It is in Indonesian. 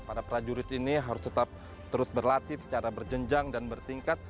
para prajurit ini harus tetap terus berlatih secara berjenjang dan bertingkat